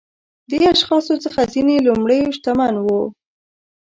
دې اشخاصو څخه ځینې لومړيو شتمن وو.